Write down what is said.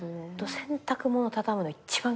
洗濯物畳むの一番嫌い。